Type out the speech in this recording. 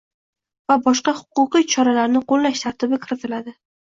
va boshqa huquqiy choralarni qo‘llash tartibi kiritiladi.